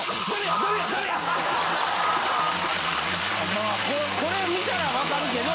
まあこれこれ見たらわかるけど。